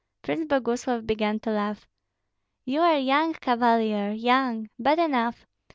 Prince Boguslav began to laugh. "You are young, Cavalier, young! But enough!